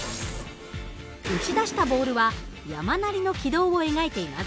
撃ち出したボールは山なりの軌道を描いています。